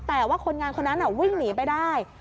แต่ว่าคนงานคนนั้นวิ่งหนีไปได้